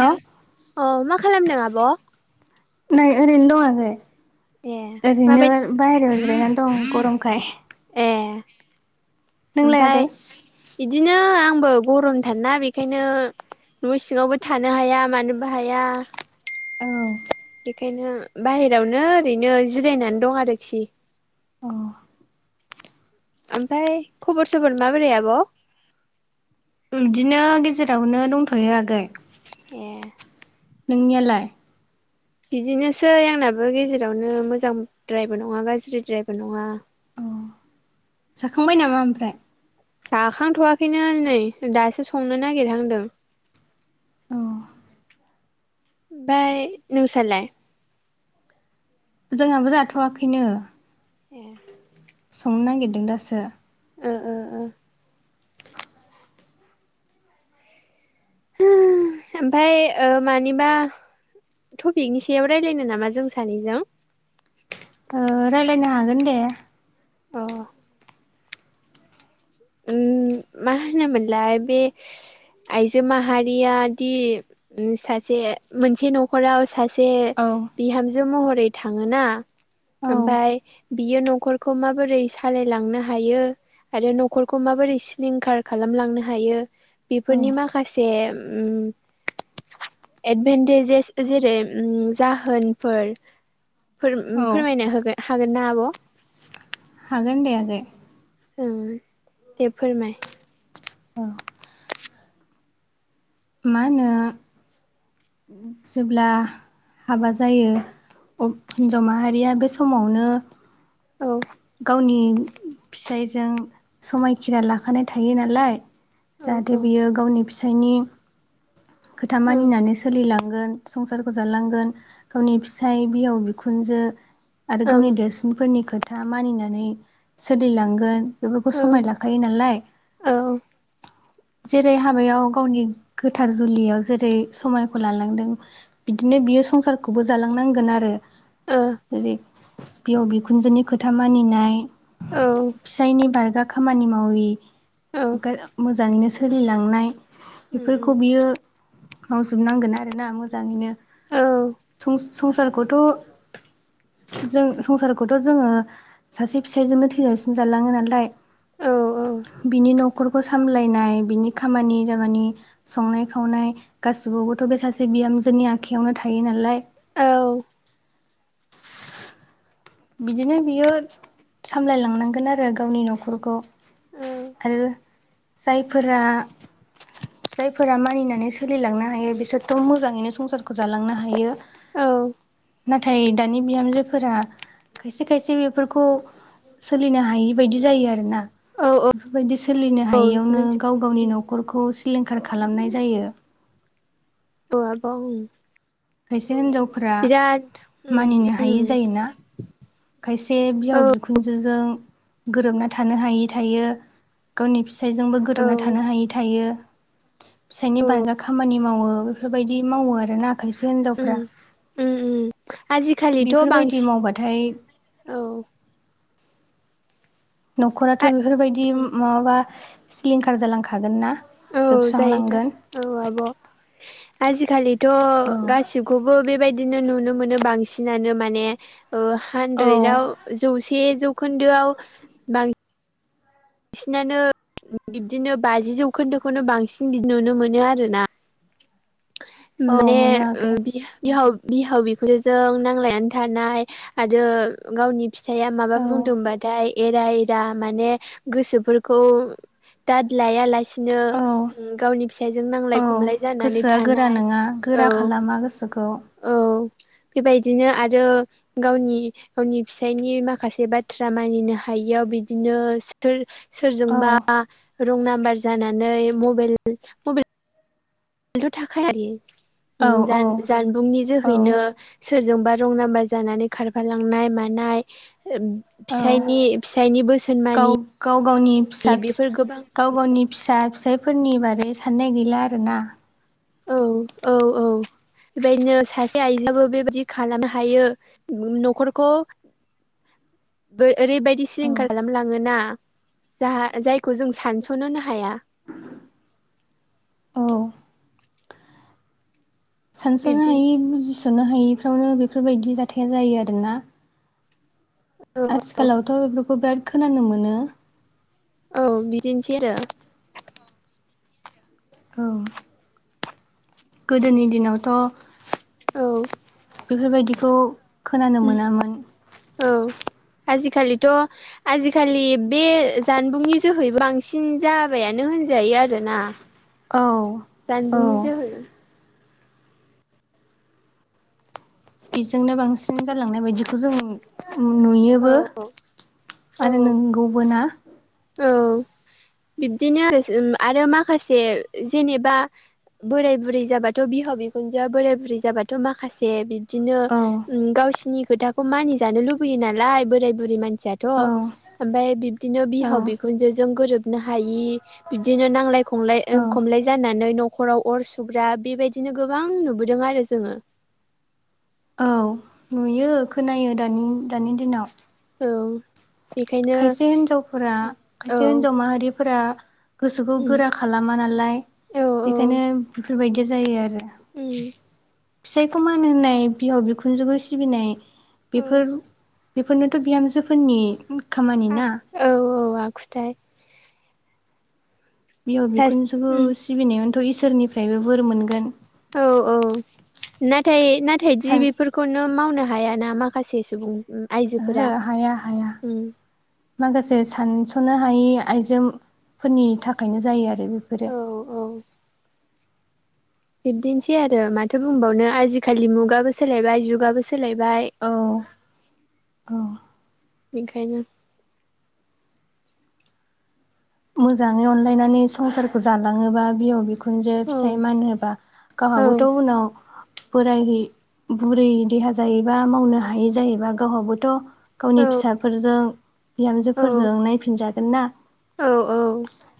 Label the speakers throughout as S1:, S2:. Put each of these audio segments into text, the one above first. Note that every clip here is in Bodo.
S1: हेल'
S2: अ मा खालामदों आब'
S1: नै ओरैनो दं आगै
S2: ए माबायदि
S1: ओरैनो बायहेरायाव जिरायनानै दं गरमखाय नोंलाय
S2: ओमफ्राय
S1: आगै
S2: बिदिनो आंबो गरमथारा बेखायनो न' सिङावबो थानो हाया मानोबो हाया।
S1: औ
S2: ओंखायनो बाहेरायावनो ओरैनो जिरायनानै दं आरोखि
S1: औ
S2: ओमफफ्राय खबर सबर माबोरै आब'
S1: बिदिनो गेजेरावनो दंथ'यो आगै
S2: ए
S1: नोंनियालाय
S2: बिदिनोसै आंनाबो गेजेरावनो मोजांद्रायबो नङा गाज्रिद्रायबो नङा
S1: औ जाखांबाय नामा ओमफ्राय
S2: जाखांथ'वाखैनो नै दासो संनो नागिरहांदों
S1: औ
S2: ओमफाय नोंसालाय
S1: जोंहाबो जाथ'वाखैनो
S2: ए
S1: संनो नागिरदों दासो
S2: ओ ओ ओ ओमफाय ओ मानिबा टपिकनि सायाव रायलायनो नामा जों सानैजों
S1: ओ रायलायनो हागोन दे
S2: औ उम मा होनोमोनलाय बे आइजो माहारिया दि सासे मोनसे न'खराव सा से
S1: औ
S2: बिहामजो महरै थाङो ना
S1: औ
S2: ओमफाय बियो न खरखौ माबोरै सालायलांनो हायो आरो न'खर खौ माबोरै सिलिंखार खालामलांनो हायो
S1: औ
S2: बेफोरनि माखासे उम एदभेनटेजेस जेरै उम जाहोनफोर फोर उम
S1: औ
S2: फोरमायनो होगोन हागोन ना आब'
S1: हागोन दे आगै
S2: ओं दे फोरमाय
S1: औ मा होनो जेब्ला हाबा जायो अब हिन्जाव माहारिया बे समावनो
S2: औ
S1: गावनि फिसाइजों समायखेरा लाखानाय थायो नालाय
S2: औ
S1: जाहाथे
S2: औ
S1: बियो गावनि फिसायनि खोथा
S2: औ
S1: मानिनानै सोलिलाङो। गोन संसारखौ जालांगोन गावनि फिसाय बिहाव बिखुनजो आरो गावनि
S2: औ
S1: देरसिनफोरनि खोथा मानिनानै सोलिलांगोन बेफोरखौ
S2: औ
S1: समाय लाखायो नालाय
S2: औ
S1: जेरै हाबायाव गावनि गोथार जुलियाव जेरै समायखौ लाल नांदों बिदिनो बियो संसारखौबो जालांनांगोन आरो
S2: ओ
S1: ओरै बिहाव बिखुनजोनि खोथा मानिनाय
S2: औ
S1: फिसायनि बारगा खामानि मावि
S2: औ
S1: मोजाङैनो सोलिलांनाय
S2: उम उम
S1: बेफोरखौ बियो मावजोबनांगोन आरो ना मोजाङैनो
S2: औ
S1: सं-संसारखौथ' जों संसारखौथ' जोङो सासे फिसायजोंनो थैजासिम जालाङो नालाय
S2: औ
S1: बिनि नाव न'खरखौ सामलायनाय बिनि खामानि दामानि संनाय खावनाय गासिबावबोथ' बेसाद जे बिहामजोनि आखायावनो थायो नालाय
S2: औ
S1: बिदिनो बियो सामलायलांनांगोन आरो गावनि न'खरखौ ओ जायफोरा जायफोरा मानिनानै सोलिलांनो हायो बिसोरथ' मोजाङैनो संसारखौ जालांनो हायो
S2: औ
S1: नाथाय दानि बिहामजोफोरा खायसे खायसे बेफोरखौ सोलिनो हायि बायदि जायो आरोना
S2: औ
S1: बेफोरबायदि सोलिनो
S2: औ
S1: हायियावनो
S2: नोंथि
S1: गाव गावनि न'खरखौ सिलिंखार खालामनाय जायो
S2: ओ आब' ओं
S1: खायसे हिनजावफोरा
S2: उम
S1: मानिनो
S2: उम
S1: हायि जायोना खायसे
S2: औ
S1: बिहाव बिखुनजोजों गोरोबना थानो हायै थायो गावनि फिसायजोंबो
S2: औ औ
S1: गोरोबना थानो हायै थायो। फिसायनि
S2: उम
S1: बान्जा खामानि मावो बेफोरबायदि मावो आरोना? खायसे
S2: उम
S1: हिन्जावफ्रा
S2: उम आजि आखालिथ'
S1: बेफोरबायदि मावबाथाय
S2: बांसिन औ
S1: न'खराथ'
S2: आ
S1: बेफोरबायदि
S2: उम
S1: माबाबा सिलिंखार जालांखागोन ना?
S2: औ जायो दा
S1: जोबस्रांलांगोन
S2: औ आब' आजिखालिथ'
S1: औ
S2: गासिबखौबो बेबायदिनो नुनो मोनो बांसिनानो माने ओ
S1: औ
S2: हानद्रेदआव जौसे जौखोन्दोआव बांसिन। बिसिनानो बिब्दिनो बाजि जौखोन्दोखौनो बांसिन नुनो मोनो आरोना?
S1: औ
S2: माने
S1: मोननो
S2: ओ
S1: हायाखै
S2: बि बिहाव बिहाव बिखुनजोजों नांलायनानै थानाय आरो गावनि फिसाइया
S1: औ
S2: माबाफो बुंदोंबा? एरा एरा माने गोसोफोरखौ दाद लाया लासे
S1: औ
S2: बिदिनो गावनि फिसायजों
S1: औ
S2: नांलाय खमलाय जानानै
S1: गोसोआ गोरा
S2: थानाय।
S1: नङा
S2: औ
S1: गोरा खालामा गोसोखौ
S2: औ बेबायदिनो आरो गावनि गावनि फिसायनि माखासे बाथ्रा मानिनो हायो। बिदिनो सिथोर
S1: औ
S2: सोरजोंबा रं नाम्बार जानानै मबेल मबेल जथ' थाखाय
S1: औ औ
S2: जानबुंनि
S1: औ
S2: जोहैनो सोरजोंबा रं नाम्बार जानानै खारफालांनाय मानाय।
S1: औ
S2: फिसायनि फिसायनि बोसोन
S1: गाव
S2: मानि
S1: गाव गावनि फिसा फिस
S2: बेफोर गोबां
S1: गाव गावनि फिसा फिसायफोरनि बारै साननाय गैला आरोना?
S2: औ औ औ बेबायदिनो सासे आइजोाबबो बेबायदि खालामनो हायो न'खरखौ बो ओरैबायदि
S1: औ
S2: सिलिंखार खालामलाङोना? जाहा जायखौ जों सानस'नोनो हाया।
S1: औ सानस'नो
S2: बिब्दिनो
S1: हायि बुजिस'नो हायैफ्रावनो बेफोरबायदि जाथाया जायो आरोना?
S2: औ
S1: आथिखालावथ' बेफोरखौ बिराद खोनानो मोनो।
S2: औ बिदिनोसै आरो
S1: औ गोदोनि दिनावथ'
S2: औ
S1: बेफोरबायदिखौ खोनानो मोनामोन।
S2: औ आजिखालिथ' आजिखालि बे जानबुंनि जोहैबो बांसिन जाबायानो। होनजायो आरोना?
S1: औ औ
S2: जानबुंनि जोहै
S1: बेजोंनो बांसिन जालांनाय बायदिखौ जों नुयोबो
S2: औ औ
S1: आरो नंगौबो ना?
S2: औ बिब्दिनो आरो माखासे जेनेबा बोराय बुरै जाबाथ' बिहाव बिखुनजो बोराय बुरै जाबाथ' माखासे बिदिनो
S1: औ
S2: गावनि गावसिनि खोथाखौ मानिजानो लुबैयो नालाय बोराय बुरै मानसियाथ'
S1: औ
S2: ओमफ्राय बिदिनो
S1: औ
S2: बिफाव बिखुनजो बिखुनजोजों गोरोबनो हायि बिदिनो नांलाय खमलाय
S1: औ
S2: खमलाय जानानै न'खराव अर सुग्रा बेबायदिनो गोबां नुबोदों आरो जोङो।
S1: औ नुयो खोनायो दानि दानि दिनाव ।
S2: औ बेखायनो
S1: खायसे हिन्जावफोरा
S2: औ
S1: खायसे हिन्जाव माहारिफोरा गोसोखौ गोरा खालामा नालाय
S2: औ
S1: बेखायनो बेफोरबायदिया जायो आरो
S2: उम
S1: फिसाइखौ मान होनाय बिहाव बिखुनजोखौ सिबिनाय
S2: औ
S1: बेफोर नोथ' बिहामजोफोरनि खामानि ना
S2: औ औ आखुथाय
S1: बिहाव बिखुनजोखौ सिबिनायावथ' इसोरनिफ्रायबो बोर मोनगोन
S2: औ औ नाथाय नाथाय दि
S1: सान
S2: बेफोरखौनो मावनो हायाना माखासे सुबुं
S1: ओहो
S2: आइजोफोरा
S1: हाया हाया
S2: उम
S1: माखासे सान सानस'नो हायि आइजोफोरनि थाखायनो जायो आरो बेफोरो।
S2: बिबदिनोसै आरो माथो बुंबावनो आजिखालि मुगाबो सोलायबाय जुगाबो सोलायबाय।
S1: औ औ
S2: बेखायनो
S1: मोजाङै अनलायनानै संसारखौ जालाङोबा बिहाव बिखुनजो बिखुनजो
S2: औ
S1: फिसाय मानहोबा
S2: औ
S1: गावहागोथ' उनाव बोराय बुरै देहा जायोबा मावनो हायै जायोबा गावहाबोथ' गावनि
S2: औ
S1: फिसाफोरजों
S2: औ
S1: बिहामजोफोरजों नायफिनजागोन ना।
S2: औ औ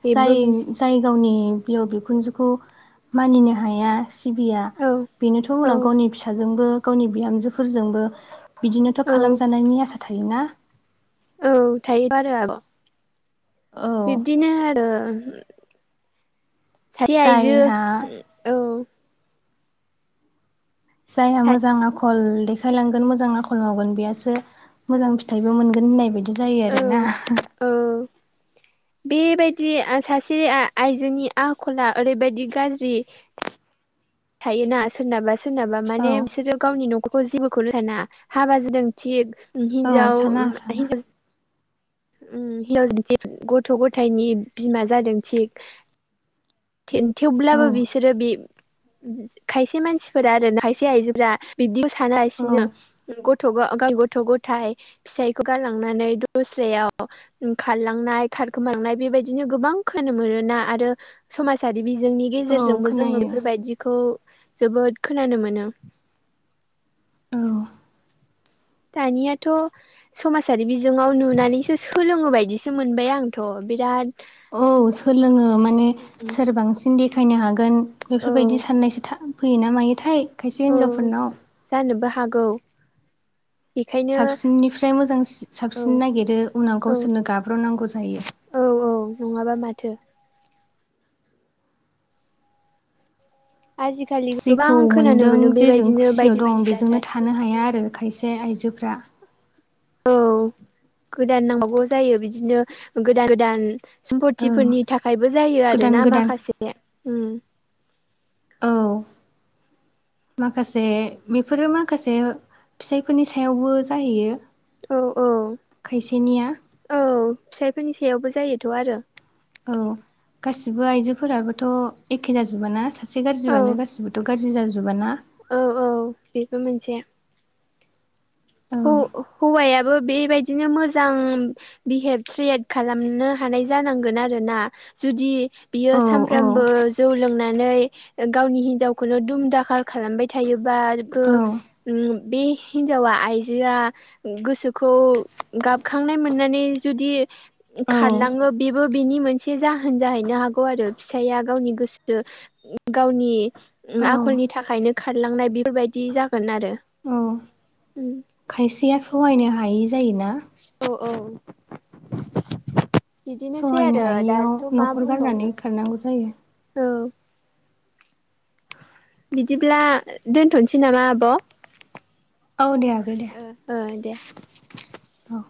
S2: बेबो
S1: जाय
S2: मोनसे
S1: जाय गावनि बिहाव बिखुनजोखौ मानिनो हाया सिबिया
S2: औ
S1: बेनोथ'
S2: औ
S1: उनाव गावनि फिसाजोंबो गावनि बिहामजो फोरजोंबो बिदिनोथ'
S2: औ
S1: खालामजानायनि आसा थायोना।
S2: औ थायो आरो आब'
S1: औ
S2: बिब्दिनो आरो। सासे आयजो
S1: जायहा
S2: औ
S1: जायहा
S2: औ
S1: मोजां आखल देखायलांगोन मोजां आखल मावगोन बेहासो मोजां फिथाइबो मोनगोन होननाय बायदि जायो
S2: औ
S1: आरोना।
S2: औ [inaudible] बेबायदि सासेया आइजोनि आखला ओरैबायदि गाज्रि थायोना सोरनाबा सोरनाबा
S1: औ
S2: माने बिसोरो गावनि न'खर जेबोखौनो साना। हाबा जादों थिग
S1: औ
S2: हिन्जाव
S1: साना साना
S2: हिनजाव गथ' गथायनि बिमा जादों थिग।
S1: औ
S2: थेन-थेवब्लाबो बिसोरो बि खायसे मानसिफोरा आरो खायसे आयजोफोरा बिब्दिखौ साना
S1: औ
S2: लासिनो गथ' गथ' गथाय फिसायखौ गालांनानै दस्रायाव खारलांनाय खारखोमांनाय बेबायदिनो गोबां खोनानो मोनोना आरो समाजारि बिजोंनि
S1: औ
S2: गेजेरजोंबो जोङो
S1: खोनायो
S2: बेफोरबायदिखौ जोबोद खोनानो मोनो।
S1: ओं
S2: दानियाथ' समाजारि बिजोङाव नुनानैसो सोलोङो बायदिसो मोनबाय आंथ' बिरादनो।
S1: औ सोलोङो माने सोरबांसिन देखायनो हागोन
S2: औ
S1: बेफोरबायदि साननायसो था फैयोना मायोथाय खायसे
S2: औ
S1: हिनजावफोरनाव।
S2: जानोबो हागौ बेखायनो
S1: साबसिननिफ्राय मोजांसिन
S2: औ
S1: साबसिन नागिरो उनाव
S2: औ
S1: गावसोरनो गाब्र'नांगौ जायो।
S2: औ औ नङाबा माथो। आजिखालि गोबां
S1: जेखौ
S2: खोनानो
S1: मोनदों
S2: मोनो
S1: जेजों
S2: बेबायदिनो
S1: खुसियाव
S2: बायदि बायदि
S1: दं बेजोंनो
S2: जाथाय
S1: थानो हाया आरो खायसे आयजो फ्रा।
S2: औ गोदान नांबागौ जायो बिदिनो गोदान गोदान
S1: औ
S2: सम्पतफोरनि थाखायबो जायो आरो
S1: गोदान
S2: ना
S1: गोदान
S2: माखासे
S1: औ माखासे बेफोरो माखासे फिसाइफोरनि सायावबो जाहैयो।
S2: औ औ
S1: खायसेनिया
S2: औ फिसाइफोरनि सायावबो जायोथ' आरो।
S1: औ गासिबो आइजोफोराबोथ' एखे जाजोब ना। सासे
S2: औ
S1: गाज्रिबानो गासिबोथ' गाज्रि जाजोबाना।
S2: औ औ बेबो मोनसे।
S1: औ
S2: हौ-हौवाया बो बेबायदिनो मोजां बिहेभ क्रियेट खालामनो हानाय जानांगोन आरोना। जुदि बियो
S1: औ औ
S2: सानफ्रोमबो जौ लोंनानै गावनि हिनजावखौनो दुम दाखा खालामबाय थायोबाबो
S1: औ
S2: उम बे हिनजावा आय दिया गोसोखौ गाबखांनाय मोननानै जुदि
S1: औ
S2: खारलाङो बेबो बिनि मोनसे जाहोन जाहैनो हागौ आरो फिसाया गावनि गोसो गावनि
S1: औ
S2: आखलनि थाखायनो खारलांनाय बेफोरबायदि जागोन आरो।
S1: औ
S2: उम
S1: खायसेया सहायनो हायै जायोना।
S2: औ। बिदिनोसै
S1: सहायनो
S2: आरो
S1: हायियाव
S2: दाथ' मा
S1: न'खर गारनानै
S2: बुंबावनो।
S1: खारनांगौ जायो
S2: औ बिदिब्ला दोनथ'नोसै नामा आब'?
S1: औ दे आगै दे।
S2: ओ दे
S1: औ।